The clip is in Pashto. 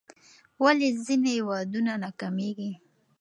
ولې ځینې ودونه ناکامیږي؟